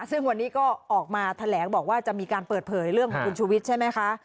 ซึ่งวันนี้ก็ออกมาแถลงบอกว่าจะมีการเปิดเผยเรื่องของคุณชุวิตใช่ไหมคะ